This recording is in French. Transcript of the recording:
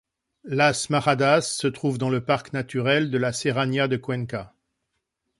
Las Majadas se trouve dans le parc naturel de la Serranía de Cuenca.